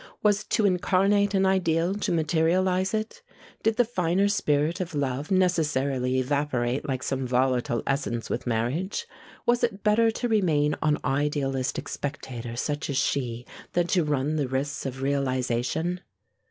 Was to incarnate an ideal to materialize it? Did the finer spirit of love necessarily evaporate like some volatile essence with marriage? Was it better to remain on idealistic spectator such as she than to run the risks of realization?